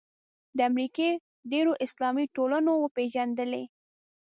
د امریکې ډېرو اسلامي ټولنو وپېژندلې.